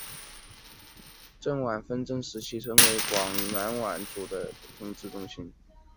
郑阮纷争时期成为广南阮主的统治中心。